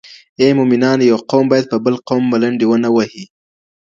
ای مومنانو، يو قوم بايد په بل قوم ملنډي ونه وهي.